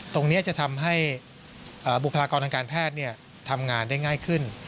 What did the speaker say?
ตรงนี้จะทำให้บุคลากรทางการแพทย์ทำงานได้ง่ายขึ้น